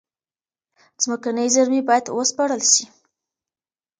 ځمکني زېرمي بايد و سپړل سي.